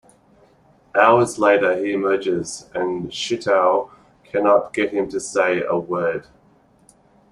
Hours later he emerges, and Shitou cannot get him to say a word.